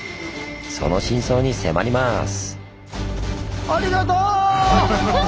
その真相に迫ります！